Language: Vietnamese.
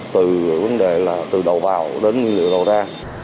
từ vấn đề là từ đầu vào đến nguyên liệu đầu ra